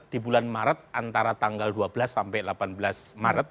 di bulan maret antara tanggal dua belas sampai delapan belas maret